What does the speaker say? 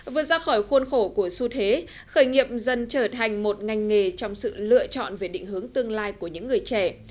vừa ra khỏi khuôn khổ của xu thế khởi nghiệp dần trở thành một ngành nghề trong sự lựa chọn về định hướng tương lai của những người trẻ